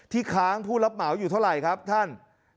ค้างผู้รับเหมาอยู่เท่าไหร่ครับท่าน